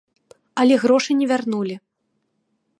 Але грошы не вярнулі.